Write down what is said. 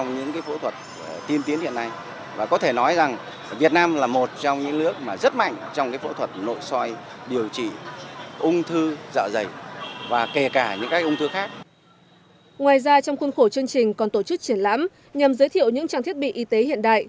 ngoài ra trong khuôn khổ chương trình còn tổ chức triển lãm nhằm giới thiệu những trang thiết bị y tế hiện đại